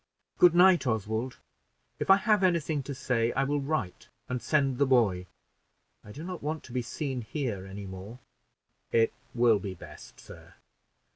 "Good night, Oswald; if I have any thing to say, I will write and send the boy. I do not want to be seen here any more." "It will be best, sir.